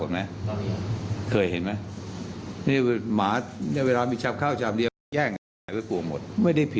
ดอมคุณผู้ชมนึกไม่ออกว่ะหมาแย่งชามข้าวชามข้าวมาดิ